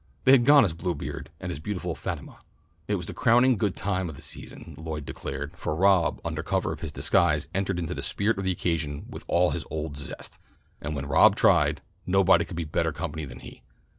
They had gone as Bluebeard and his beautiful Fatima. It was the crowning good time of the season, Lloyd declared, for Rob under cover of his disguise entered into the spirit of the occasion with all his old zest, and when Rob tried, nobody could be better company than he.